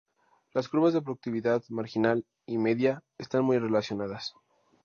Las curvas de productividad marginal y media están muy relacionadas.